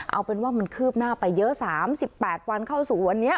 เอาเป็นว่ามันคืบหน้าไปเยอะ๓๘วันเข้าสู่วันนี้